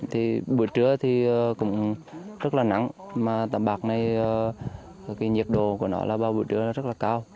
thì buổi trưa thì cũng rất là nắng mà tàm bạc này cái nhiệt độ của nó là vào buổi trưa rất là cao